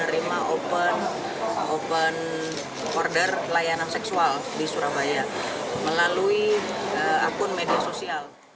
menerima open order layanan seksual di surabaya melalui akun media sosial